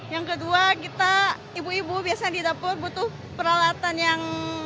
yang kedua kita ibu ibu biasanya di dapur butuh peralatan yang